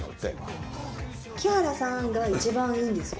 木原さんが一番いいんですよ。